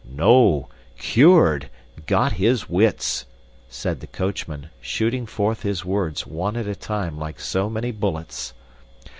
"No, CURED! Got his wits," said the coachman, shooting forth his words, one at a time, like so many bullets.